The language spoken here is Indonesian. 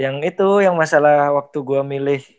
yang itu yang masalah waktu gue milih